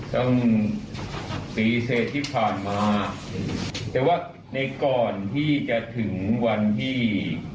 ตั้งแต่ปีเสร็จที่ผ่านมาแต่ว่าในก่อนที่จะถึงวันที่